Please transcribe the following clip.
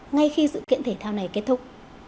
ngay khi sự kiện thể thao này kết thúc